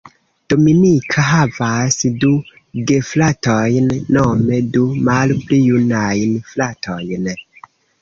Dominika havas du gefratojn, nome du malpli junajn fratojn.